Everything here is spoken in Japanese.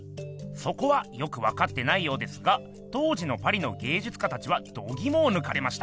そこはよくわかってないようですが当時のパリの芸術家たちはどぎもをぬかれました。